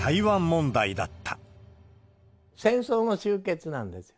戦争の終結なんです。